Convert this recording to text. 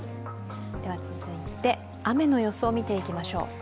続いて雨の予想を見ていきましょう。